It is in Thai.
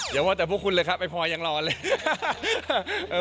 อย่าว่าแต่พวกคุณเลยครับไอ้พลอยยังรอเลย